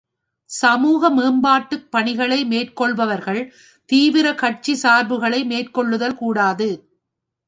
சமூக மேம்பாட்டுப் பணிகளை மேற்கொள்பவர்கள் தீவிர கட்சி சார்புகளை மேற்கொள்ளுதல் கூடாது.